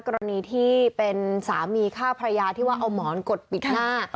กรณีที่เป็นสามีฆ่าภรรยาที่ว่าเอาหมอนกดปิดหน้า